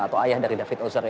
atau ayah dari david ozer